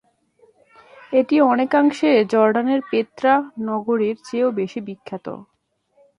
এটি অনেকাংশে জর্ডানের পেত্রা নগরীর চেয়েও বেশি বিখ্যাত।